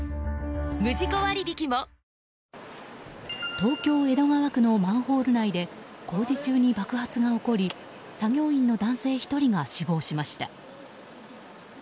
東京・江戸川区のマンホール内で工事中に爆発が起こり作業員の男性１人が死亡しました。